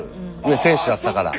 選手だったから。